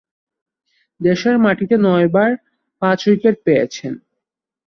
দেশের মাটিতে নয়বার পাঁচ-উইকেট পেয়েছেন।